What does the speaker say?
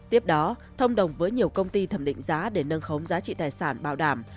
tiếp đó thông đồng với nhiều công ty thẩm định giá để nâng khống giá trị tài sản bảo đảm